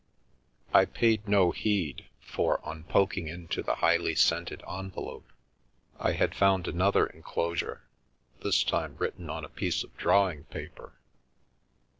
I paid no heed, for on poking into the highly scented envelope I had found another enclosure, this time writ ten on a piece of drawing paper.